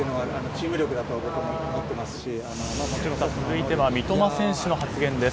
続いては三笘選手の発言です。